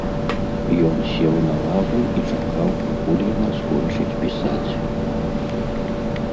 Ён сеў на лаву і чакаў, пакуль яна скончыць пісаць.